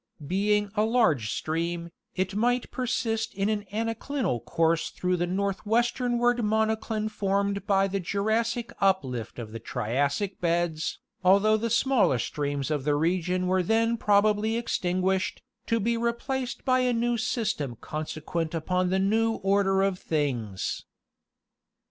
Being a large stream, it might persist in an anaclinal course through the northwest ward monocline formed by the Jurassic uplift of the Triassic beds, although the smaller streams of the region were then prob ably extinguished, to be replaced by a new system consequent upon the new order of things.